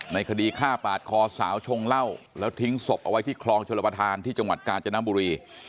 ในคดีฆ่าปาดคอสาวชงเหล้าแล้วทิ้งศพเอาไว้ที่คลองชลประธานที่จังหวัดกาญจนบุรี